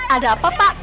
ada apa pak